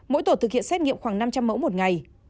mỗi tổ thực hiện xét nghiệm khoảng năm trăm linh mẫu một ngày